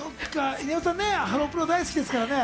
犬山さん、ハロプロ大好きですからね。